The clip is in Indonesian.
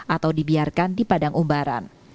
atau dibiarkan di padang umbaran